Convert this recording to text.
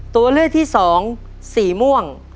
ตัวเลือกที่สองสีม่วง